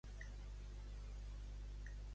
Els de Compromís tenen intenció de votar a favor?